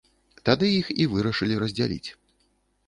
Тады іх і вырашылі раздзяліць.